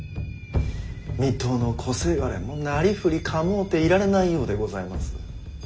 水戸の小せがれもなりふり構うていられないようでございます。